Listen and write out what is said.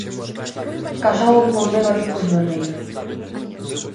Casou con Beba Picos Barreiro.